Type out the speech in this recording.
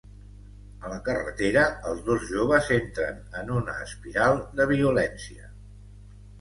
A la carretera, els dos joves entren en una espiral de violència.